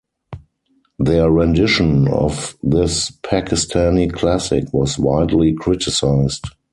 Their rendition of this Pakistani classic was widely criticized.